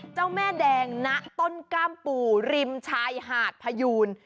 เจ้าแม่แดงณต้นกล้ามปู่ริมชายหาดพยูน